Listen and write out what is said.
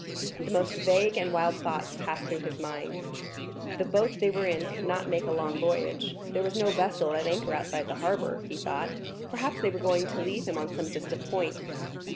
The most vague and wild thoughts passed through his mind. The boat they were in could not make a long voyage; there was no vessel at anchor outside the harbor; he thought, perhaps, they were going to leave him on some distant point.